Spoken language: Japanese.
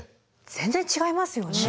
全然違いますよね。